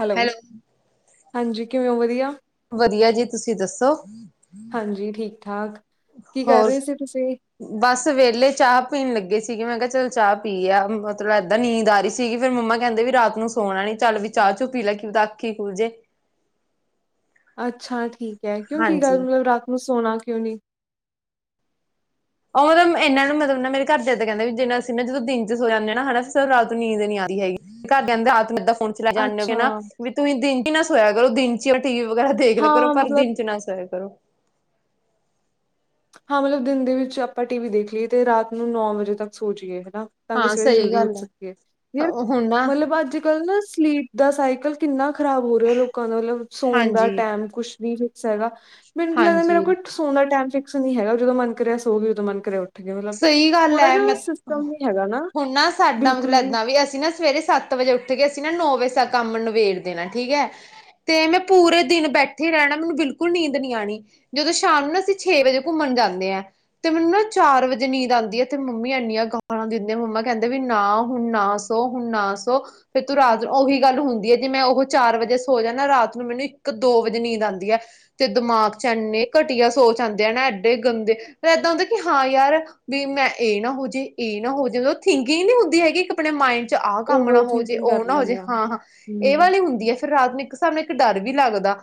Hello ਹਾਂਜੀ ਕਿਵੇਂ ਓ ਵਦੀਆ। ਵਦੀਆ ਜੀ ਤੁਸੀਂ ਦੱਸੋ? ਹਾਂਜੀ, ਠੀਕ-ਠਾਕ ਕੀ ਕਰ ਹੋਰ ਰੇ ਸੀ ਤੁਸੀਂ? ਬਸ ਵੇਲੇ ਚਾਂ ਪੀਨ ਲੱਗੇ ਸੀਗੇ ਮੈਂ ਕਿਆ ਚਲ ਚਾਂ ਪੀ ਆ ਮਤਲਬ ਏਦਾਂ ਨੀਂਦ ਆ ਰੀ ਸੀਗੀ ਫੇਰ ਮੰਮਾ ਕੈਔਦੇ ਵੀ ਰਾਤ ਨੂੰ ਸੋਨਾ ਨੀ ਚੱਲ ਵੀ ਚਾਂ ਚੁ ਪੀ ਲੈ ਕਿ ਪਤਾ ਅੱਖੀ ਖੁਲ ਜੇ। ਅੱਛਾ, ਠੀਕ ਐ ਕਿਉਂ ਕੀ ਹਾਂਜੀ ਗੱਲ ਮਤਲਬ ਰਾਤ ਨੂੰ ਸੋਨਾ ਕਿਉਂ ਨੀ? ਓ ਮਤਲਬ ਐਨਾਂ ਨੂੰ ਮਤਲਬ ਨਾ ਮੇਰੇ ਘਰ ਦੇ ਐਦਾ ਕੈਂਦੇ ਜਿਨਾ ਅਸੀ ਨਾ ਜਦੋਂ ਦਿਨ ਚ ਸੋ ਜਾਂਦੇ ਆਨਾ ਸਰ ਰਾਤ ਨੂੰ ਨੀਂਦ ਨੀ ਆਂਦੀ ਹੈਗੀ‌। ਘਰ ਕੈਂਦੇ ਹੱਥ ਲਗਾ ਫੋਨ ਚਲਾਈ ਜਾਨ ਓਗੇ ਅੱਛਾ, ਨਾ ਵੀ ਤੁਸੀਂ ਦਿਨ ਚ ਈ ਨਾ ਸੋਇਆ ਕਰੋ ਦਿਨ ਚਲ ਟੀ ਵੀ ਵਗੈਰਾ ਦੇਖ ਲਿਆ ਕਰੋ ਹਾਂ ਪਰ ਮਤਲਬ ਦਿਨ ਚ ਨਾ ਸੋਇਆ ਕਰੋ। ਹਾਂ ਮਤਲਬ ਦਿਨ ਦੇ ਵਿੱਚ ਆਪਾਂ ਟੀ ਵੀ ਦੇਖ ਲਈਏ ਤੇ ਰਾਤ ਨੂੰ ਨੌ ਵਜੇ ਤੱਕ ਸੋ ਜੀਏ ਹੈਨਾ। ਤਾਂ ਕਿ ਹਾਂ ਸਵੇਰੇ ਸਹੀ ਜਲਦੀ ਗੱਲ ਉੱਠ ਸਕੀਏ ਹੈ ਯਾਰ ਹੁਣ ਨਾ ਮਤਲਬ ਆੱਜ-ਕੱਲ੍ਹ ਨਾ ਸਲੀਪ ਦਾ ਸਾਈਕਲ ਕਿੰਨਾ ਖ਼ਰਾਬ ਹੋ ਰਿਆ ਲੋਕਾਂ ਦਾ ਮਤਲਬ ਸੋਨ ਦਾ ਹਾਂਜੀ ਟੈਮ ਕੁਛ ਵੀ ਫਿਕਸ ਹੈਗਾ। ਮੈਨੂੰ ਤੇ ਲਗਦਾ ਮੇਰਾ ਹਾਂਜੀ ਕੋਈ ਸੋਨ ਦਾ ਟੈਮ ਫਿਕਸ ਨੀ ਹੈਗਾ ਜਦੋਂ ਮਨ ਕਰਿਆ ਸੋਗੀ ਉਦੋਂ ਮਨ ਕਰਿਆ ਗਈ ਮਤਲਬ ਸਈ ਗੱਲ ਥੋੜਾ ਐ ਜਿਹਾ ਮੈਂ ਸਿਸਟਮ ਨੀ ਹੈਗਾ ਹੁਨ ਨਾ ਸਾਡਾ ਮਤਲਬ ਏਦਾਂ ਵੀ ਅਸੀਂ ਨਾ ਸਵੇਰੇ ਸੱਤ ਵਜੇ ਉੱਠ ਕੇ ਅਸੀਂ ਨਾ ਨੌ ਵਜੇ ਤਕ ਕੰਮ ਨਵੇਰ ਦੇਨਾ ਠੀਕ ਐ। ਤੇ ਮੈਂ ਪੂਰੇ ਦਿਨ ਬੈਠੇ ਰੈਨਾ ਮੈਨੂੰ ਬਿਲਕੁਲ ਨੀਂਦ ਨੀ ਆਨੀ। ਜਦੋਂ ਸ਼ਾਮ ਨੂੰ ਨਾ ਅਸੀਂ ਛੇ ਵਜੇ ਘੁੰਮਣ ਜਾਂਦੇ ਹਾਂ, ਤੇ ਮੈਨੂੰ ਨਾ ਚਾਰ ਵਜੇ ਜੇ ਨੀਂਦ ਆਂਦੀ ਏ ਤੇ ਮੰਮੀ ਇੰਨੀਆਂ ਗਾਲਾਂ ਦਿੰਦੇ ਆ। ਮੰਮਾ ਕਹਿੰਦੇ ਵੀ ਨਾ ਹੁਣ ਨਾ ਸੋ ਹੁਣ ਨਾ ਸੋ ਫਿਰ ਤੂੰ ਰਾਤ ਨੂੰ ਉਹੀ ਗੱਲ ਹੁੰਦੀ ਹੈ ਜੇ ਮੈਂ ਉਹ ਚਾਰ ਵਜੇ ਸੋ ਜਾ ਨਾ ਰਾਤ ਨੂੰ ਮੈਨੂੰ ਇੱਕ ਦੋ ਵਜੇ ਨੀਂਦ ਆਉਂਦੀ ਹੈ। ਤੇ ਦਿਮਾਗ ਚ ਇੰਨੇ ਘਟੀਆ ਸੋਚ ਆਂਦੇ ਆ ਨਾ, ਐਡੇ ਗੰਦੇ, ਫਿਰ ਏਦਾ ਹੁੰਦਾ ਕਿ ਹਾਂ ਯਾਰ ਵੀ ਮੈਂ ਏਹ ਨਾ ਹੋਜੇ, ਇਹ ਨਾ ਹੋ ਜਵੇ। ਓਹ ਥਿੰਕਿੰਗ ਨੀ ਹੁੰਦੀ ਹੈਗੀ ਆਪਣੇ ਮਾਇੰਡ ਚ ਆਹ ਕੰਮ ਨਾ ਓਵਰ ਹੋ ਜੇ, ਥਿੰਕਿੰਗ ਕਰ ਓਹ ਨਾ ਹੋ ਜੇ। ਲੈਂਦੇ ਹਾਂ ਹਾਂ-ਹਾਂ ਏਹ ਹਮ ਵਾਲੀ ਹੁੰਦੀ ਹੈ ਫਿਰ ਰਾਤ ਨੂੰ ਇੱਕ ਸਾਨੂੰ ਇੱਕ ਡਰ ਵੀ ਲੱਗਦਾ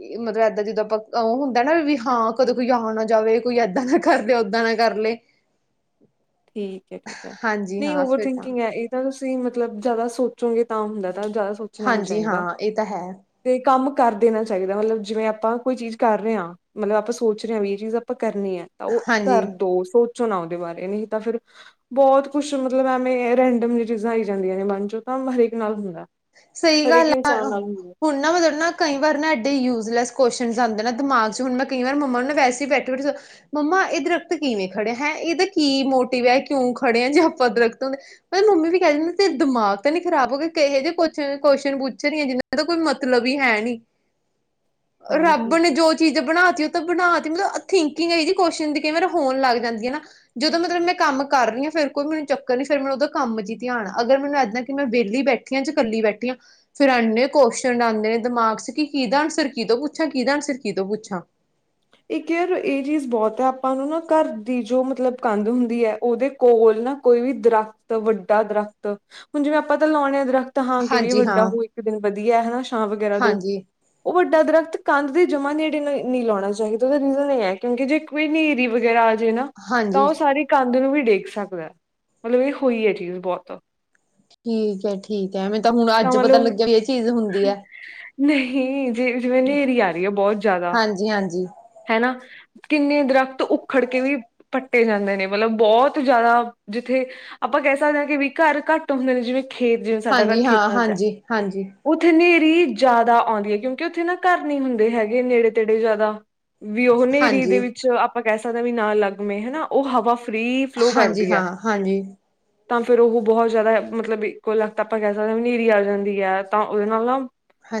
ਏ ਮਤਲਬ ਏਦਾਂ ਜਿੱਦਾਂ ਆਪਾਂ ਔਂ ਹੁੰਦੈ ਨਾ ਵੀ ਹਾਂ ਕਦੇ ਕੋਈ ਆ ਨਾ ਜਾਵੇ ਕੋਈ ਏਦਾਂ ਦਾ ਕਰਦੇ ਓਦਾਂ ਨਾ ਕਰ ਲਏ ਠੀਕ ਹੈ-ਠੀਕ ਹੈ, ਹਾਂਜੀ ਨਹੀਂ ਹਾਂ ਓਵਰ ਫਿਰ ਤਾਂ ਥਿੰਕਿੰਗ ਹੈ, ਇਹ। ਜਦ ਤੁਸੀਂ, ਮਤਲਬ, ਜਾਦਾ ਸੋਚੋਗੇ ਤਾਂ ਹੁੰਦਾ ਤਾਂ ਜਾਦਾ ਸੋਚਨਾ ਨੀ ਹਾਂਜੀ ਹਾਂ ਚਾਹੀਦਾ। ਇਹ ਤਾਂ ਹੈ ਤੇ ਕੰਮ ਕਰ ਦੇਨਾ ਚਾਹੀਦਾ, ਮਤਲਬ ਜਿਵੇਂ ਆਪਾਂ ਕੋਈ ਚੀਜ ਕਰ ਰਹੇ ਹਾਂ ਮਤਲਬ ਆਪਾਂ ਸੋਚ ਰਹੇ ਹਾਂ ਵੀ ਏਹ ਚੀਜ਼ ਆਪਾਂ ਕਰਨੀ ਹੈ ਤਾਂ ਉਹ ਕਰ ਹਾਂਜੀ ਦੋ, ਸੋਚੋ ਨਾ ਉਹਦੇ ਬਾਰੇ। ਨਹੀਂ? ਤਾਂ ਫਿਰ ਬੋਤ ਕੁਛ ਮਤਲਬ ਐਵੇਂ ਰੈਂਡਮ ਜੀ ਚੀਜ਼ਾਂ ਆਈ ਜਾਂਦੀਆਂ ਨੇ ਮਨ 'ਚ, ਤਾਂ ਹਰੇਕ ਨਾਲ ਹੁੰਦਾ। ਸਈ ਹਰੇਕ ਗੱਲ ਐ, ਇਨਸਾਨ ਨਾਲ ਹੁੰਦਾ ਹੁਣ ਨਾ ਮਤਲਬ ਨਾ ਕਈ ਵਾਰ ਨਾ ਐਡੇ ਯੂਜ਼ਲੈਸ ਕੋਸ਼ਨਸ ਆਂਦੇ ਨਾ ਦਿਮਾਗ 'ਚ। ਹੁਣ ਮੈਂ ਕਈ ਵਾਰ ਮੰਮਾ ਨੂੰ ਨਾ ਵੈਸੇ ਬੈਠੇ-ਬੈਠੇ ਮੰਮਾ, ਏਹ ਦਰਖਤ ਕਿਵੇਂ ਖੜਿਆ ਹੈ? ਇਹਦਾ ਕੀ ਮੋਟਿਵ ਹੈ? ਕਿਉਂ ਖੜੇ ਆ? ਜੇ ਆਪਾਂ ਦਰਖਤ ਮੈਨ ਮੰਮੀ ਵੀ ਕਹੈ ਦਿੰਦੀ ਤੇਰੇ ਦਿਮਾਗ ਤੇ ਨੀ ਖਰਾਬ ਹੋ ਗੱਯਾ [unintelligible] ਕੁਛ ਵੀ ਕੋਸ਼ਨ ਪੁੱਛ ਰਹੀ ਜਿਹਨਾਂ ਦਾ ਕੋਈ ਮਤਲਬ ਹੀ ਹੈ ਨਹੀ। ਹਾਂ ਠੀਕ ਰੱਬ ਹੈ। ਨੇ ਜੋ ਚੀਜ ਬਣਾ ਤੀ ਓ ਤੇ ਬਣਾ ਤੀ। ਮਲਬ ਥਿੰਕਿੰਗ ਏਈ ਜੀ ਕੋਸ਼ਨ ਦੀ ਕਈ ਵਰ ਹੋਣ ਲੱਗ ਜਾਂਦੀ ਏ ਨਾ ਜਦੋਂ ਮਤਲਬ ਮੈਂ ਕੰਮ ਕਰ ਰਈ ਆਂ ਫ਼ੇਰ ਕੋਈ ਮੈਨੂੰ ਚੱਕਰ ਨਈ ਫੇਰ ਮਨ ਓਦਰ ਕੰਮ ਇਚ ਈ ਧਿਆਨ ਏ। ਅਗਰ ਮੈਨੂੰ ਏਦਾਂ ਈ ਕਿ ਮੈਂ ਵੇਲੀ ਬੈਠੀ ਆਂ ਜਾ ਕੱਲੀ ਬੈਠੀ ਆਂ ਫੇਰ ਐਨੇ ਕੋਸ਼ਨਡ ਆਂਦੇ ਨੇ ਦਮਾਗ ਚ ਕਿ ਕਿਦਾ ਆਂਸਰ ਕੀਤੋ ਪੁੱਛਾਂ ਕਿਦਾ ਆਂਸਰ ਕਿਤੋਂ ਪੁੱਛਾਂ ਇਕ ਯਰ ਏਹ ਚੀਜ਼ ਬੋਤ ਹੈ ਆਪਾਂ ਨੂੰ ਨਾ ਘਰ ਦੀ ਜੋ ਮਤਲਬ ਕੰਦ ਹੁੰਦੀ ਹੈ ਓਹਦੇ ਕੋਲ ਨਾ ਕੋਈ ਵੀ ਦਰੱਖਤ, ਵੱਡਾ ਦਰਖਤ, ਹੁਣ ਜਿਵੇਂ ਆਪਾਂ ਤਾਂ ਲੋਣੇ ਆ ਦਰਖਤ ਤਾਂ ਹਾਂ ਕਿ ਵੀ ਹਾਂਜੀ ਹਾਂ ਵੱਡਾ ਹੋ ਇੱਕ ਦਿਨ ਵਦੀਆ ਹੈ ਛਾਂ ਵਗੈਰਾ ਦੂ ਹਾਂਜੀ ਓਹ ਵੱਡਾ ਦਰਖਤ ਕੰਧ ਦੇ ਜਮਾ ਨੇੜੇ ਨਈ ਲੋਣਾ ਚਾਈਦਾ ਤੇ ਉਹਦੇ ਤੇ ਰੀਜ਼ਨ ਇਹ ਹੈਗਾ ਕਿਉਂਕਿ, ਜੇ ਕੋਈ ਵੀ ਨੇਰ੍ਹੀ ਵਗੈਰਾ ਆਜੇ ਨਾ, ਤਾਂ ਹਾਂਜੀ ਉਹ ਸਾਰੀ ਕੰਧ ਨੂੰ ਵੀ ਡੇਗ ਸਕਦਾ। ਮਤਲਬ ਇਹ ਹੋਈ ਏ ਚੀਜ਼ ਬਹੁਤ। ਠੀਕ ਐ, ਠੀਕ ਐ। ਮੈਨੂੰ ਤਾਂ ਹੁਣ ਅੱਜ ਪਤਾ ਲੱਗਿਆ ਵੀ ਇਹ ਚੀਜ਼ ਹੁੰਦੀ ਐ। ਨਹੀਂ ਜੇ ਜਿਵੇਂ ਨ੍ਹੇਰੀ ਆ ਰਹੀ ਐ ਬਹੁਤ ਜ਼ਾਦਾ ਜੀ ਹਾਂਜੀ। ਹੈਨਾ। ਕਿੰਨੇ ਦਰਖਤ ਉਖੜ ਕੇ ਵੀ ਪੱਟੇ ਜਾਂਦੇ ਨੇ। ਮਤਲਬ ਬਹੁਤ ਜ਼ਿਆਦਾ ਜਿੱਥੇ ਆਪਾਂ ਕਹਿ ਸਕਦੇ ਆ ਕਿ ਵੀ, ਘਰ ਘੱਟ ਹੁੰਦੇ ਨੇ ਜਿਵੇਂ ਖੇਤ, ਜਿਵੇਂ ਸਾਡਾ ਘਰ ਹਾਂਜੀ ਹਾਂ ਖੇਤਾਂ 'ਚ ਐ। ਹਾਂਜੀ ਹਾਂਜੀ ਉੱਥੇ ਨ੍ਹੇਰੀ ਜ਼ਾਦਾ ਆਉਂਦੀ ਆ। ਕਿਉਂਕਿ ਉੱਥੇ ਨਾ ਘਰ ਨਹੀਂ ਹੁੰਦੇ ਹੈਗੇ ਨੇੜੇ- ਤੇੜੇ ਜ਼ਾਦਾ। ਵੀ ਉਹ ਨ੍ਹੇਰੀ ਦੇ ਹਾਂਜੀ ਵਿੱਚ ਆਪਾਂ ਕਹਿ ਸਕਦੇ ਆ ਵੀ ਨਾ ਲੱਗਵੇ ਹਨਾ। ਉਹ ਹਵਾ ਫ੍ਰੀ ਫਲੋ ਹਾਂਜੀ ਕਰਦੀ ਏ ਹਾਂ ਹਾਂਜੀ ਤਾਂ ਫੇੇਰ ਓਹ ਬਹੁਤ ਜ਼ਿਆਦਾ ਮਤਲਬ ਕੋ ਇੱਕੋ ਤਲਕ ਆਪਾਂ ਕੈਹ ਸਕਦੇ ਹਾਂ ਵੀ ਹਨੇਰੀ ਆ ਜਾਂਦੀ ਹੈ ਤਾਂ ਓਹਦੇ ਨਾਲ ਨਾ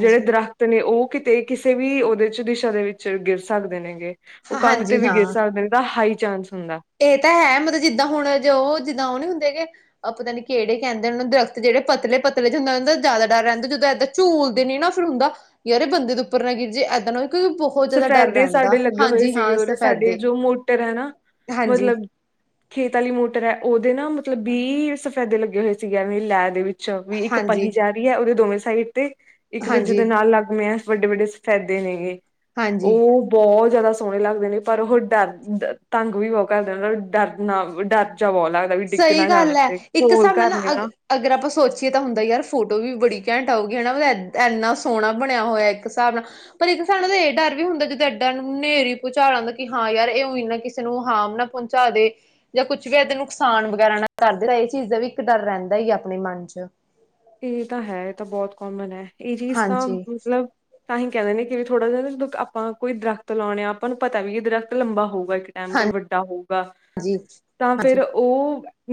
ਜੇੜੇ ਦਰਖਤ ਨੇ ਓਹ ਕਿਤੇ ਕਿਸੇ ਵੀ ਓਦੇ ਚ ਦਿਸ਼ਾ ਦੇ ਵਿੱਚ ਗਿਰ ਸਕਦੇ ਨੇਗੇ ਉਹ ਕੰਦ ਤੇ ਹਾਂਜੀ ਵੀ ਗਿਰ ਸਕਦੇ ਨੇ ਤਾਂ ਹਾਈ ਚਾਂਸ ਹੁੰਦਾ ਏਹ ਤਾਂ ਹੈ ਮਤਲਬ ਜਿੱਦਾਂ ਹੁਣ ਜੋ ਜਿੱਦਾਂ ਓਹ ਨੀ ਹੁੰਦੇ ਹੈਗੇ ਆ ਪਤਾ ਨੀ ਕੇੜੇ ਕੈਂਦੇ ਓਨੂੰ ਦਰਖਤ ਜੇੜੇ ਪਤਲੇ ਪਤਲੇ ਜੇ ਹੁੰਦੇ ਓਦਾ ਜਾਦਾ ਡਰ ਰੈਂਦਾ ਜਦੋਂ ਇੱਦਾਂ ਝੂਲਦੇ ਨੇ ਨਾ ਫਿਰ ਹੁੰਦਾ ਯਾਰ ਏ ਬੰਦੇ ਦੇ ਉੱਪਰ ਨਾ ਗਿਰਜੇ ਏਦਾਂ ਨਾ ਹੋਏ ਕੋਈ ਬੋ ਸਫੈਦੇ ਸਾਡੇ ਲੱਗੇ ਹੋਏ ਸੀਗੇ ਉਰੇ ਸਾਡੇ ਸਫੈਦੇ ਜੋ ਮੋਟਰ ਹੈ ਨਾ, ਹਾਂਜੀ ਮਤਲਬ ਖੇਤ ਆਲੀ ਮੋਟਰ ਹੈ ਓਦੇ ਨਾ ਮਤਲਬ ਬੀ ਸਫੈਦੇ ਲੱਗੇ ਹੋਏ ਸੀਗੇ ਐਂਵੇ ਲੈ ਦੇ ਵਿੱਚ ਛਾ ਵੀ ਇੱਕ ਹਾਂਜੀ ਪਹੀ ਜਾ ਰਹੀ ਹੈ ਓਦੇ ਦੋਵੇਂ ਸਾਈਡ ਤੇ ਇੱਕ ਦੂਜੇ ਹਾਂਜੀ ਦੇ ਨਾਲ ਲੱਗ ਮਿਆ ਵੱਡੇ-ਵੱਡੇ ਸਫੈਦੇ ਨੇਗੇ ਹਾਂਜੀ ਬੋਹਤ ਜ਼ਾਦਾ ਸੋਣੇ ਲੱਗਦੇ ਨੇ ਪਰ ਓਹੋ ਡਰ ਤੰਗ ਵੀ ਬਹੋ ਕਰਦੇ ਨੇ ਬਈ ਡਰ ਨਾ ਡਰ ਜਾ ਬਹੋ ਲੱਗਦਾ ਏ ਵੀ ਡਿੱਗ ਸਹੀ ਨਾ ਜਾਣ ਗੱਲ ਹੈ ਉਤੇ ਇੱਕ ਕੋਲ ਹਿਸਾਬ ਨਾਲ ਘਰ ਨੇ ਅਗ ਨਾ ਅਗਰ ਆਪਾਂ ਸੋਚੀਏ ਤਾਂ ਹੁੰਦੈ ਯਾਰ ਫੋਟੋ ਵੀ ਬੜੀ ਕੈਂਟ ਆਊਗੀ, ਹੈਨਾ। ਏਦ ਏਨਾ ਸੋਹਣਾ ਬਣਿਆ ਹੋਇਆ ਇੱਕ ਹਿਸਾਬ ਨਾਲ ਪਰ ਇੱਕ ਸਾਨੂੰ ਇਦਾ ਏ ਡਰ ਵੀ ਹੁੰਦਾ ਜਦ ਐਡਾ ਨੂੰ ਨੇਰੀ ਭੁਚਾਲ ਆਂਦਾ ਕਿ ਹਾਂ ਯਾਰ ਏ ਉਂ ਈ ਨਾ ਕਿਸੇ ਨੂੰ ਹਾਰਮ ਨਾ ਪਹੁੰਚ ਚਾ ਦੇ ਯਾਂ ਕੁੱਛ ਵੀ ਐ ਤੇਨੂੰ ਨੁਕਸਾਨ ਵਗੈਰਾ ਨਾ ਕਰਦੇ ਐਈ ਚੀਜ਼ ਦਾ ਵੀ ਇੱਕ ਡਰ ਰੈਂਦਾ ਈ ਆ ਅਪਣੇ ਮਨ 'ਚ ਏ ਤਾਂ ਹੈ ਏ ਤਾਂ ਬੋਤ ਕੋਮਨ ਐ। ਏ ਚੀਜ਼ ਤਾਂ ਹਾਂਜੀ ਮਤਲਬ ਤਾਂਹੀ ਕੈਂਦੇ ਨੇ ਕਿ ਵੀ ਥੋੜ੍ਹਾ ਜੇਆ ਨਾ ਜਦੋਂ ਆਪਾਂ ਕੋਈ ਦਰਖਤ ਲੌਣੇ ਆ ਆਪਾਂ ਨੂੰ ਪਤਾ ਵੀ ਐ ਦਰਖਤ ਲੰਬਾ ਹੋਊਗਾ ਇੱਕ ਟਾਈਮ ਤੇ ਈ ਵੱਡਾ ਹੋਊਗਾ ਹਾਂਜੀ ਤਾਂ ਫੇਰ ਹਾਂਜੀ ਓ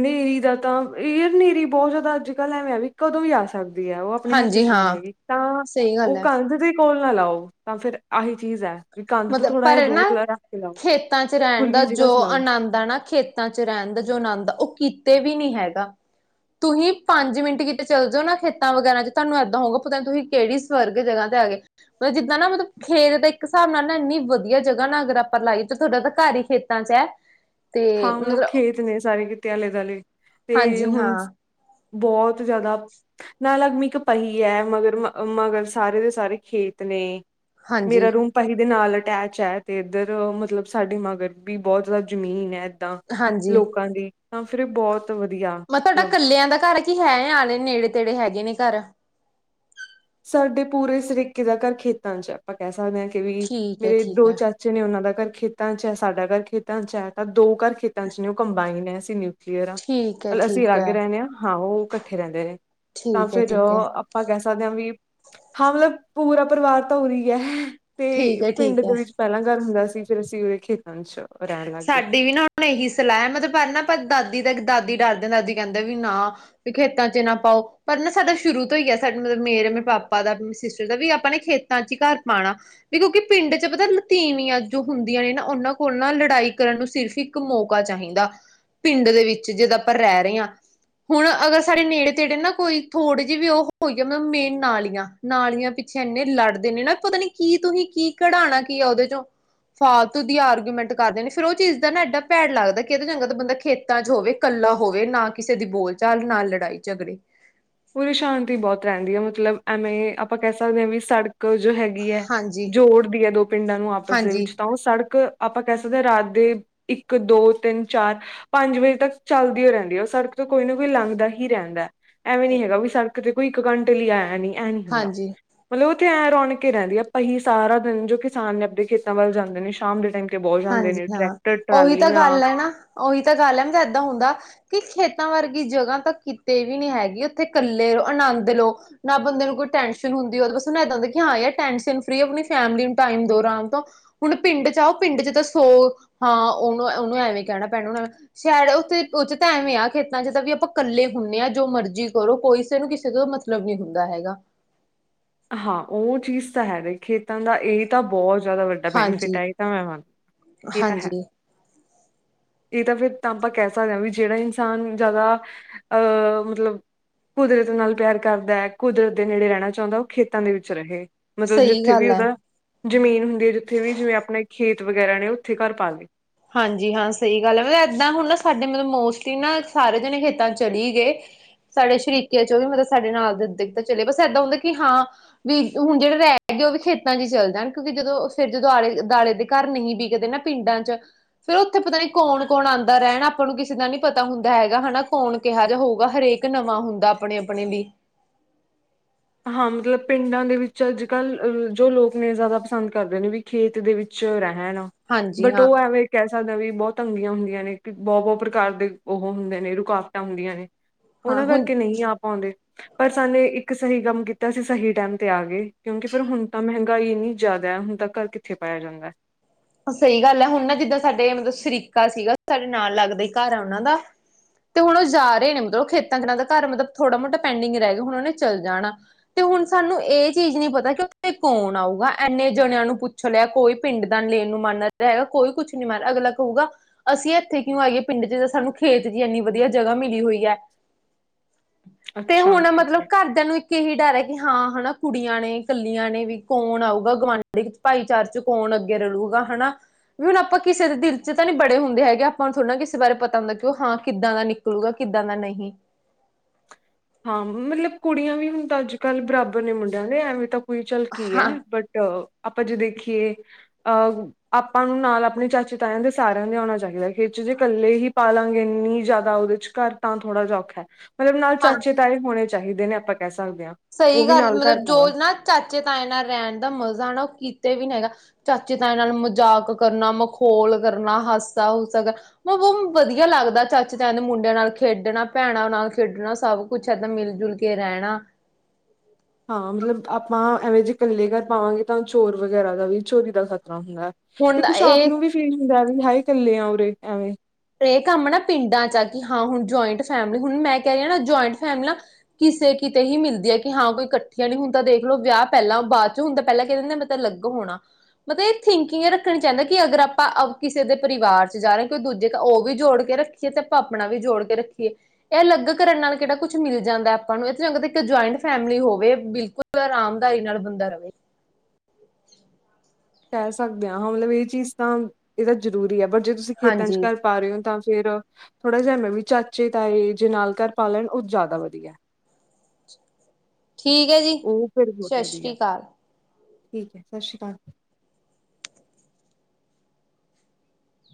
ਨੇਰੀ ਦਾ ਤਾਂ ਏ ਐ ਨੇਰੀ ਬੋਤ ਜਾਦਾ ਅੱਜ ਕਾੱਲ ਐਵੇਂ ਆ ਵੀ ਕਦੋਂ ਵੀ ਆ ਸਕਦ ਦੇ ਆ ਵਾ ਅਪਣੇ ਹੱਥ ਹਾਂਜੀ 'ਚ ਨੀ ਹਾਂ ਹੈਗੇ ਤਾਂ ਵਾਂ ਸਹੀ ਗੱਲ ਓ ਹੈ ਕੰਧ ਜੇ ਕੋਲ ਨਾ ਲਾਓ ਤਾਂ ਫੇਰ ਆਹੀ ਚੀਜ ਐ। ਮਤਬ ਪਰ ਨਾ ਖੇਤਾਂ 'ਚ ਰੈਂਣ ਦਾ ਖੁੱਲੀ ਜੋ ਜਗ੍ਹਾ 'ਚ ਲਾਓ ਆਨੰਦ ਦਾ ਨਾ ਖੇਤਾਂ 'ਚ ਰੈਣ ਦਾ ਜੋ ਆਨੰਦ ਓ ਕੀਤੇ ਵੀ ਨੀ ਹੈਗਾ। ਤੁੰਹੀ ਪੰਜ ਮਿੰਟ ਕਿਤੇ ਚੱਲ ਜਾਓ ਨਾ ਖੇਤਾਂ ਵਗੈਰਾ 'ਚ ਤਾਂਨੂੰ ਐਦਾਂ ਹੋਊਗਾ ਪਤਾ ਨੀ ਤੁਹੀ ਕੇੜੀ ਸਵਰਗ ਜਗ੍ਹਾ ਤੇ ਆ ਗੇ ਓ ਜਿੱਦਾਂ ਨਾ ਮਤਬ ਖੇਤ ਦੇ ਇੱਕ ਸਾਬ ਨਾਲ ਐਨੀ ਵਧੀਆ ਜਗਾ ਨਾ ਅਗਰ ਆਪਾਂ ਲਾਈਏ ਤੇ ਤੁਆਡਾ ਤਾਂ ਘਾਰ ਈ ਖੇਤਾਂ 'ਚ ਐ। ਹਾਂ ਮਤਲਬ ਖੇਤ ਨੇ ਸਾਰੇ ਕਿਤੇ ਆਲੇ ਦੁਆਲੇ ਤੇ ਹਾਂਜੀ ਹਾਂ ਹੁਣ ਬੋਤ ਜਾਦਾ ਨਾਲ ਅਗਮੀ ਕ ਪਈ ਐ ਮਗਰ ਮ ਅ ਮਗਰ ਸਾਰੇ ਦੇ ਸਾਰੇ ਖੇਤ ਨੇ। ਹਾਂਜੀ ਮੇਰਾ ਰੂਮ ਤਹੀ ਦੇ ਨਾਲ ਅਟੈਚ ਐ ਤੇ ਏੱਧਰ ਮਤਲਬ ਸਾਡੇ ਮਗਰ ਬੀ ਬੋਤ ਜਾਦਾ ਜ਼ਮੀਨ ਐ ਤਾਂ ਹਾਂਜੀ ਲੋਕਾਂ ਦੀ ਤਾਂ ਫਿਰ ਬੋਤ ਵਧੀਆ ਮੈਂ ਤੁਆਡਾ ਮਤਲਬ ਕੱਲੇਆਂ ਦਾ ਘਾਰ ਐ ਕਿ ਹੈ ਆਲੇ ਨੇੜੇ ਤੇੜੇ ਹੈਗੇ ਨੇ ਘਰ? ਸਾਡੇ ਪੂਰੇ ਸਰੀਕੇ ਦਾ ਘਰ ਖੇਤਾਂ 'ਚ ਐ। ਆਪਾਂ ਕੈ ਸਕਦੇ ਆਂ ਕਿ ਵੀ ਠੀਕ ਹੈ ਮੇਰੇ ਠੀਕ ਦੋ ਹੈ। ਚਾ ਚੇ ਨੇ ਓਨਾਂ ਦਾ ਘਰ ਖੇਤਾਂ ਇੱਚ ਐ, ਸਾਡਾ ਘਰ ਖੇਤਾਂ ਇੱਚ ਐ ਤਾਂ ਦੋ ਘਰ ਖੇਤਾਂ 'ਚ ਨੇ ਓ ਕੰਬਾਈਨ ਨੇ ਅਸੀ ਨਿਊ ਕਲੀਅਰ ਆਂ ਠੀਕ ਹੈ ਤੇ ਅਸੀ ਠੀਕ ਅਲੱਗ ਹੈ ਰੈਣੇ ਆਂ। ਹਾਂ ਓ ਕੱਠੇ ਰੈਂਦੇ ਨੇ ਤਾਂ ਠੀਕ ਹੈ ਫੇਰ ਠੀਕ ਹੈ ਅ ਅਪ ਪਾਂ ਕੈ ਸਕਦੇ ਆਂ ਵੀ ਹਾਂ ਮਤਲਬ ਪੂਰਾ ਪਰਿਵਾਰ ਤਾਂ ਉਰਹੀ ਗਿਆ ਤੇ ਠੀਕ ਹੈ ਪਿੰਡ ਠੀਕ ਦੇ ਹੈ। ਵਿੱਚ ਪੈਲਾਂ ਘਰ ਹੁੰਦਾ ਸੀ ਫੇਰ ਉਸੀ ਉਰੇ ਖੇਤਾਂ 'ਚ ਰਹਿਣ ਲੱਗ ਗਏ ਸਾਡੀ ਵੀ ਨਾ ਮੇ ਏਹੀ ਸਲਾ ਐ ਮਤਲਬ ਪਰ ਨਾ ਪਰ ਦਾਦੀ ਤੇੱਕ ਦਾਦੀ ਡਰ ਦੇ ਦਾਦੀ ਕੈਂਦੇ ਵੀ ਨਾ ਵੀ ਖੇਤਾਂ ਏਚ ਨਾ ਪਾਓ ਪਰ ਨਾ ਸਾਡਾ ਸ਼ੁਰੂ ਤੋਂ ਈ ਐ ਸਾਡ ਮ ਮ ਮੇਰੇ ਵੀ ਪਾਪਾ ਦਾ ਸਿਸਟਰ ਦਾ ਵੀ ਆਪਾਂ ਨੇ ਖੇ ਤਾਂ 'ਚ ਘਾਰ ਪਾਣਾ ਵੀ ਕਿਉਂਕਿ ਪਿੰਡ 'ਚ ਪਤਾ ਨ ਤੀਵੀਆਂ ਜੋ ਹੁੰਦੀਆਂ ਨੇ ਨਾ ਓਨਾਂ ਓ ਨਾ ਲੜਾਈ ਕਰਨ ਨੂੰ ਸਿਰਫ ਇੱਕ ਮੌਕਾ ਚਾਹੀਂਦਾ ਪਿੰਡ ਦੇ ਵਿੱਚ ਜਦ ਆਪਾਂ ਰਹਿ ਰੇ ਆਂ ਹੁਣ ਅਗਰ ਸਾਡੇ ਨੇੜੇ-ਤੇੜੇ ਨਾ ਕੋਈ ਥੋੜ੍ਹੇ ਜੀ ਵੀ ਓ ਹੋਈ ਏ ਮਤਬ ਮੇਨ ਨਾਲੀਆਂ ਨਾਲੀਆਂ ਪਿੱਛੇ ਏਨੇ ਲੜਦੇ ਨੇ ਨਾ ਪਤਾ ਨੀ ਕੀ ਤੁਹੀ ਕੀ ਕਢਾਣਾ ਕੀ ਆ ਓਦੇ 'ਚੋਂ ਫਾਲਤੂ ਦੀ ਆਰ ਗੁਮੈਂਟ ਕਰਦੇ ਨੇ ਫੇਰ ਓ ਚੀਜ਼ ਦਾ ਨਾ ਐਡਾ ਭੈੜ ਲੱਗਦੈ ਕਿ ਇਦੇ ਨਾ ਚੰਗਾ ਤਾਂ ਬੰਦਾ ਖੇਤਾਂ 'ਚ ਹੋਵੇ ਕੱਲਾ ਹੋਵੇ ਨਾ ਕਿਸੇ ਦੀ ਬੋਲ ਚਾਲ ਨਾ ਲੜਾਈ ਝਗੜੇ ਪੂਰੀ ਸ਼ਾਂਤੀ ਬੋਤ ਰੈਂਦੀ ਏ ਮਤਲਬ ਐਵੇਂ ਈ ਏ ਆਪਾਂ ਕੈ ਸਕਦੇ ਆਂ ਵੀ ਸੜ ਕ ਜੋ ਹੈਗੀ ਐ ਹਾਂਜੀ ਜੋੜਦੀ ਐ ਦੋ ਪਿੰਡਾਂ ਨੂੰ ਆਪਸ ਦੇ ਹਾਂਜੀ ਵਿੱਚ ਤਾਂ ਓ ਸੜਕ ਆਪਾਂ ਕੈ ਸਕਦੇ ਆਂ ਰਾਤ ਦੇ ਇੱਕ, ਦੋ, ਤਿੰਨ, ਚਾਰ ਪੰਜ ਵਜੇ ਤੱਕ ਚੱਲਦੀਓ ਰੈਂਦੀ ਐ। ਓ ਸੜਕ ਤੋਂ ਕੋਈ ਨਾ ਕੋਈ ਲੰਘਦਾ ਹੀ ਰਹਿੰਦੈ ਐਵੇਂ ਨੀ ਹੈਗਾ ਵੀ ਸੜਕ ਤੇ ਕੋਈ ਇੱਕ ਘੰਟੇ ਲਈ ਆਇਆ ਨੀ ਐਹ ਨੀ ਹੁੰਦਾ। ਹਾਂਜੀ ਮਤਲਬ ਉੱਥੇ ਐਂ ਰੌਣਕ ਈ ਰੈਂਦੀ ਐ ਆਪਾਂ ਹੀ ਸਾਰਾ ਦਿਨ ਜੋ ਕਿਸਾਨ ਨੇ ਆਪਣੇ ਖੇਤਾਂ ਵੱਲ ਜਾਂਦੇ ਨੇ ਸ਼ਾਮ ਦੇ ਟਾਈਮ ਤੇ ਬਹੁਤ ਜਾਂਦੇ ਹਾਂਜੀ ਨੇ ਹਾਂ ਟਰੈਕਟਰ ਓਹੀ ਤਾਂ ਟਰਾਲੀਆਂ ਗੱਲ ਐ ਨਾ, ਓਹੀ ਤਾਂ ਗੱਲ ਐ ਮ ਤਾਂ ਐਦਾਂ ਹੁੰਦਾ ਕਿ ਖੇਤਾਂ ਵਰਗੀ ਜਗ੍ਹਾ ਤਾਂ ਕਿਤੇ ਵੀ ਨੀਂ ਹੈਗੀ ਏੱਥੇ ਕੱਲੇ ਆਨੰਦ ਲੋ। ਨਾ ਬੰਦੇ ਨੂੰ ਕੋਈ ਟੈਨਸ਼ਨ ਹੁੰਦੀ [unintelligible] ਐਦਾਂ ਦੇ ਕਯੋਂ ਆਏ ਆ ਟੈਂਸ਼ਨ ਫ੍ਰੀ ਆਪਣੀ ਫੈਮਲੀ ਨੂੰ ਟਾਈਮ ਦੋ ਆਰਾਮ ਤੋਂ ਹੁਣ ਪਿੰਡ 'ਚ ਆਓ ਪਿੰਡ 'ਚ ਤਾਂ ਸੌ ਹਾਂ ਓਨੂੰ ਓਨੂੰ ਐਵੇਂ ਕੈਣਾ ਪੈਣਾ ਓ ਸ਼ਹਿਡੋ ਉੱਥੇ, ਉੱਥੇ ਤਾਂ ਐਵੇਂ ਆ ਖੇਤਾਂ ਚ ਤਾਂ ਵੀ ਆਪਾਂ ਕੱਲੇ ਹੁੰਦੇ ਹਾਂ ਜੋ ਮਰਜ਼ੀ ਕਰੋ ਕੋਈੇ ਕਿਸੇ ਨੂੰ ਕਿਸੇ ਤੋਂ ਮਤ ਪਲੱਬੁ ਹੁੰਦਾ ਹੈਗਾ ਹਾਂ, ਓਹ ਚੀਜ਼ ਤਾਂ ਹੈਵੇ ਖੇਤਾਂ ਦਾ ਇਹ ਇਹ ਤਾਂ ਬੋਤ ਜ਼ਿਆਦਾ ਵੱਡਾ ਬੈਨੀਫਿਟ ਹਾਂਜੀ ਹੈ ਇਹ ਤਾਂ ਮੈਂ ਮੰਨ, ਇਹ ਤਾਂ ਹੈ। ਹਾਂਜੀ ਇਹ ਤਾਂ ਫਿਰ ਤਾਂਪਾ ਕਹਿ ਸਕਦੇ ਹਾਂ ਵੀ ਜਿਹੜਾ ਇਨਸਾਨ ਜ਼ਾਦਾ ਅਹ, ਮਤਲਬ ਕੁਦਰਤ ਨਾਲ ਪਿਆਰ ਕਰਦਾ ਕੁਦਰਤ ਦੇ ਨੇੜੇ ਰਹਿਣਾ ਚਾਹੁੰਦਾ ਓਹ। ਖੇਤਾਂ ਦੇ ਵਿੱਚ ਰਹੇ, ਮਤਲਬ ਸਹੀ ਜਿੱਥੇ ਵੀ ਗੱਲ ਹੈ ਉਦਾ। ਜ਼ਮੀਨ ਹੁੰਦੀ ਹੈ ਜਿੱਥੇ ਵੀ ਜਿਵੇਂ ਆਪਣੇ ਖੇਤ ਵਗੈਰਾ ਨੇ ਉੱਥੇ ਘਰ ਪਾ ਗੇ ਹਾਂਜੀ ਹਾਂ ਸਈ ਗੱਲ ਏ ਮਤਲਬ ਇੱਦਾਂ ਹੁਣ ਨਾ ਸਾਡੇ ਮਤਲਬ ਮੋਸਟਲੀ ਨਾ ਸਾਰੇ ਜਣੇ ਖੇਤਾਂ ਚਲੀ ਗਏ। ਸਾਡੇ ਸ਼ਰੀਕੇ ਚ ਓਹ ਵੀ ਮਤਲਬ ਸਾਡੇ ਨਾਲ ਦਿਖਦਾ ਚਲੇ ਬਸ ਇੱਦਾਂ ਹੁੰਦਾ ਕਿ ਹਾਂ। ਵੀ ਹੁਣ ਜਿਹੜੇ ਰਹਿ ਗਏ ਓਹ ਵੀ ਖੇਤਾਂ ਚ ਹੀ ਚੱਲ ਜਾਣ ਕਿਉਂਕਿ ਜਦੋਂ ਫਿਰ ਜਦੋਂ ਆਲੇ-ਦਾਲੇ ਦੇ ਘਰ ਨਹੀਂ ਵਿਕਦੇ ਨਾ ਪਿੰਡਾਂ ਚ ਫੇਰ ਉੱਥੇ ਪਤਾ ਨੀ ਕੌਣ-ਕੌਣ ਆਂਦਾ ਰਹਿਣ ਆਪਾਂ ਨੂੰ ਕਿਸੇ ਦਾ ਨੀ ਪਤਾ ਹੁੰਦਾ ਹੈਗਾ ਹਨਾ ਕੌਣ ਕਿਹਾ ਜਾ ਹੋਊਗਾ ਹਰੇਕ ਨਵਾਂ ਹੁੰਦਾ ਆਪਣੇ-ਆਪਣੇ ਵੀ ਹਾਂ ਮਤਲਬ ਪਿੰਡਾਂ ਦੇ ਵਿੱਚ ਅੱਜ-ਕੱਲ੍ਹ ਜੋ ਲੋਕ ਨੇ ਜ਼ਾਦਾ ਪਸੰਦ ਕਰਦੇ ਨੇ ਵੀ ਖੇਤ ਦੇ ਵਿੱਚ ਰਹਿਣ ਹਾਂਜੀ ਬਟ ਹਾਂ ਓਹ ਐਵੇਂ ਕੈਸਾ ਦੇ ਵੀ ਬੋਤ ਤੰਗੀਆਂ ਹੁੰਦੀਆਂ ਨੇ ਬੋਹਤ ਪ੍ਰਕਾਰ ਦੇ ਓਹ ਹੁੰਦੇ ਨੇ ਰੁਕਾਵਟਾਂ ਹੁੰਦੀਆਂ ਨੇ। ਹਾਂ ਉਹਨਾਂ ਹੁਣ ਕਰਕੇ ਨਹੀਂ ਆ ਪਾਉਂਦੇ, ਪਰ ਸਾਨੇ ਇੱਕ ਸਈ ਕੰਮ ਕੀਤਾ ਅਸੀਂ ਸਈ ਟਾਈਮ ਤੇ ਆ ਗਏ। ਕਿਉਂਕਿ ਫਿਰ ਹੁਣ ਤਾਂ ਮਹਿੰਗਾਈ ਇੰਨੀ ਜ਼ਾਦਾ ਹੁਣ ਤਾਂ ਘਰ ਕਿੱਥੇ ਪਾਇਆ ਜਾਂਦਾ ਹੈ। ਸਈ ਗੱਲ ਏ ਹੁਣ ਨਾ ਜਿੱਦਾਂ ਸਾਡੇ ਮਤਲਬ ਸ਼ਰੀਕਾ ਸੀਗਾ ਸਾਡੇ ਨਾਲ ਲੱਗਦੇ ਘਰ ਆ ਉਹਨਾਂ ਦਾ। ਤੇ ਹੁਣ ਓਹ ਜਾ ਰਹੇ ਨੇ ਮਤਲਬ ਓਹ ਖੇਤਾਂ ਦੇ ਨਾਲ ਦਾ ਘਰ ਮਤਲਬ ਥੋੜਾ-ਮੋਟਾ ਪੈਂਡਿੰਗ ਰਹਿ ਗਏ ਹੁਣ ਓਨੇ ਚੱਲ ਜਾਣਾ। ਤੋ ਹੁਣ ਸਾਨੂੰ ਇਹ ਚੀਜ਼ ਨੀ ਪਤਾ ਕਿ ਉੱਥੇ ਕੌਣ ਆਊਗਾ ਇੰਨੇ ਜਣਿਆਂ ਨੂੰ ਪੁੱਛ ਲਿਆ ਕੋਈ ਪਿੰਡ ਦਾ ਲੇਪ। ਐਨੂੰ ਮਨ ਨਾ ਤਾਂ ਹੈਗਾ ਕੋਈ ਕੁਛ ਨੀ ਮਨ ਅਗਲਾ ਕਹੂਗਾ ਅਸੀਂ ਇੱਥੇ ਕਿਉਂ ਆਈਏ ਪਿੰਡ ਚ ਸਾਨੂੰ ਖੇਤ ਚ ਇਨੀ ਵਧੀਆ ਜਗ੍ਹਾ ਮਿਲੀ ਹੋਈ ਏ। ਤੇ ਅੱਛਾ ਹੁਣ ਠੀਕ ਮਤਲਬ ਹੈ। ਕਰਦਿਆਂ ਨੂੰ ਇੱਕ ਇਹੀ ਡਰ ਹੈ ਕਿ ਹਾਂ ਹਨਾ ਕੁੜੀਆਂ ਨੇ ਕੱਲੀਆਂ ਨੇ ਵੀ ਕੌਣ ਆਊਗਾ ਗੁਆਂਢੀ? ਭਾਈਚਾਰ ਚ ਕੌਣ ਅੱਗੇ ਰਲੂਗਾ ਹਨਾ? ਵੀ ਹੁਣ ਆਪਾਂ ਕਿਸੇ ਦੇ ਦਿਲ ਚ ਤਾਂ ਨਈਂ ਵੜੇ ਹੁੰਦੇ ਹੈਗੇ ਆਪਾਂ ਨੂੰ ਥੋੜ੍ਹਾ ਨਾ ਕਿਸੇ ਬਾਰੇ ਪਤਾ ਹੁੰਦਾ ਕਿ ਹਾਂ ਕਿੱਦਾਂ ਦਾ ਨੀ। ਹੋਊਗਾ ਕਿੱਦਾਂ ਦਾ ਨਈ। ਹਾਂ ਮਤਲਬ ਕੁੜੀਆਂ ਵੀ ਹੁਣ ਤਾਂ ਅੱਜ-ਕੱਲ੍ਹ ਬਰਾਬਰ ਨੇ ਮੁੰਡਿਆਂ ਦੇ ਐਵੇਂ ਤਾਂ। ਫਿਊਚਲ ਕੀ ਹੈ, ਹਾਂ ਬਟ ਆਪਾਂ ਜੋ ਦੇਖੀਏ ਆਂ। ਆਪਾਂ ਨੂੰ ਨਾਲ ਆਪਣੇ ਚਾਚੇ-ਤਾਇਆਂ ਦੇ ਸਾਰਿਆਂ ਨੇ ਆਉਣਾ ਚਾਹੀਦਾ ਖਿੱਚ ਜੇ ਕੱਲੇ ਹੀ ਪਾਲਾਂਗੇ ਇੰਨੀ ਜ਼ਿਆਦਾ ਓਹਦੇ ਚ। ਘਰ ਤਾਂ ਥੋੜ੍ਹਾ ਜਾ ਔਖਾ ਏ, ਮਤਲਬ ਨਾਲ ਹਾਂ ਚਾਚੇ-ਤਾਏ ਹੋਣੇ ਚਾਹੀਦੇ ਨੇ ਆਪਾਂ ਕਹਿ ਸਕਦੇ ਹਾਂ। ਉਹ ਸਈ ਵੀ ਗੱਲ ਨਾਲ ਘਰ ਮਤਲਬ ਜੋ ਪਾਉਣ ਨਾ ਚਾਚੇ-ਤਾਏ ਨਾਲ ਰਹਿਣ ਦਾ ਮਜ਼ਾ ਨਾ ਓਹ ਕਿਤੇ ਵੀ ਨੀ ਹੈਗਾ। ਚਾਚੇ-ਤਾਏ ਨਾਲ ਮਜ਼ਾਕ ਕਰਨਾ ਮਖੌਲ ਕਰਨਾ ਹਾਸਾ ਹੁਸਾ ਅਗਰ ਓਹ ਵੁਮ ਵਧੀਆ ਲੱਗਦਾ ਚਾਚੇ-ਤਾਏ ਮੁੰਡਿਆਂ ਨਾਲ ਖੇਡਣਾ ਭੈਣਾਂ ਨਾਲ ਖੇਡਣਾ ਸਭ ਕੁਝ ਐਦਾਂ ਮਿਲ-ਜੁਲ ਕੇ ਰਹਿਣਾ। ਜ [inaudible] ਹਾਂ ਮਤਲਬ ਆਪਾਂ ਐਵੇਂ ਜੇ ਕੱਲੇ ਘਰ ਪਾਵਾਂਗੇ ਤਾਂ ਚੋਰ-ਵਗੈਰਾ ਦਾ ਵੀ ਚੋਰੀ ਦਾ ਖ਼ਤਰਾ ਹੁੰਦਾ ਏ। ਹੁਣ ਤੇ ਕੁਝ ਆਪ ਇਹ ਨੂੰ ਵੀ ਫੀਲ ਹੁੰਦਾ ਏ ਹਾਏ ਕੱਲੇ ਆਂ ਉਰੇ ਐਵੇਂ। ਇਹ ਕੰਮ ਨਾ ਪਿੰਡਾਂ ਜਾਕੀ ਹਾਂ ਹੁਣ ਜੁਆਇੰਟ ਫੈਮਿਲੀ, ਹੁਣ ਮੈਂ ਕਹਿ ਰਿ ਨਾ ਜੁਆਇੰਟ ਫੈਮਲ ਨਾ। ਕਿਸੇ ਕਿਤੇ ਈ ਮਿਲਦੀ ਐ ਕਿ ਹਾਂ ਕੋਈ ਇਕੱਠੀਆਂ ਨੀ ਹੁਣ ਤਾਂ ਦੇਖ ਲਓ ਵਿਆਹ ਪੈਲਾਂ ਬਾਅਦ ਚੋ ਹੁੰਦਾ ਪੈਲਾਂ ਕਹਿ ਦਿੰਦੇ ਮ- ਤ ਲੱਗ ਹੋਣਾ। ਮਤ ਇਹ ਥਿੰਕਿੰਗ ਏ ਰੱਖਣੀ ਚਾਈਦਾ ਕਿ ਅਗਰ ਆਪਾਂ ਅਬ ਕਿਸੇ ਦੇ ਪਰਿਵਾਰ ਚ ਜਾਰੇ ਕੋਈ ਦੂਜੇ ਓਹ ਵੀ ਜੋੜ ਕੇ ਰੱਖੀਏ ਤੇ ਆਪਾਂ ਆਪਣਾ ਵੀ ਜੋੜ ਕੇ ਰੱਖੀਏ। ਐ ਅਲੱਗ ਕਰਨ ਨਾਲ ਕੇੜਾ ਕੁੱਛ ਮਿਲ ਜਾਂਦਾ ਐ ਆਪਾਂ ਨੂੰ ਏਥੋਂ ਚੰਗਾ ਇੱਕ ਜੁਆਇੰਟ ਫੈਮਿਲੀ ਹੋਵੇ ਬਿਲਕੁਲ। ਆਰਾਮਦਾਈ ਨਾਲ ਬੰਦਾ ਰਵੇ। ਕਹਿ ਸਕਦੇ ਆਂ ਹਾਂ ਮਲਬ ਏ ਚੀਜ਼ ਤਾਂ ਏਦਾ ਜ਼ਰੂਰੀ ਐ, ਪਰ ਜੇ ਤੁਸੀਂ ਖੇਤਾਂ' ਚ ਹਾਂਜੀ ਘਰ- ਪਾ ਰੇ ਓ ਤਾਂ ਫੇਰ ਥੋੜਾ ਜਿਆ ਮੈਂ ਵੀ, ਚਾਚੇ ਤਾਏ ਜੇ ਨਾਲ ਘਰ ਪਾ ਲੈਣ ਓ ਜਾਦਾ ਵਧੀਆ। ਠੀਕ ਐ ਜੀ। ਓ ਫੇਰ ਬੋਤ ਸਤਿ ਸ੍ਰੀ ਵਧੀਆ ਅਕਾਲ ਠੀਕ ਐ। ਸ਼ਸ਼ਰੀ ਕਾਲ।